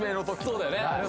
そうだよね